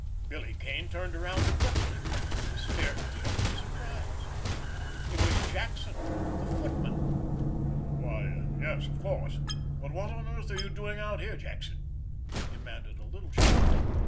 Billy Kane turned around abruptly. He stared at the other in surprise. It was Jackson, the footman. "Why yes, of course. But what on earth are you doing out here, Jackson?" he demanded a little sharply.